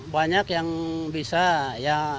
banyak yang bisa ya